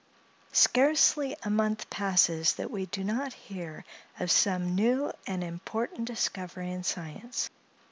Scarcely a month passes that we do not hear of some new and important discovery in science.